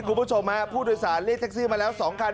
คุณผู้โดยสารเรียกแท็กซี่มาแล้ว๒คัน